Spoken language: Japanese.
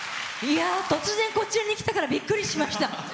突然、こちらに来たからびっくりしました。